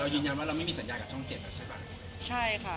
เรียกงานไปเรียบร้อยแล้ว